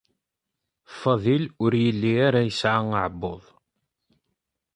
Faḍil ur yelli ara yesɛa aɛebbuḍ.